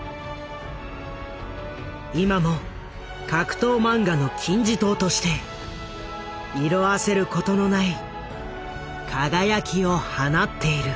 今も格闘漫画の金字塔として色あせることのない輝きを放っている。